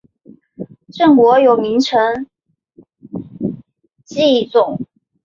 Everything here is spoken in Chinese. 郑国有名臣祭仲。